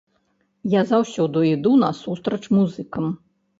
Я заўсёды іду насустрач музыкам.